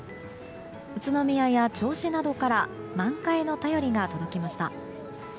宇都宮や銚子などから満開の便りが届きました。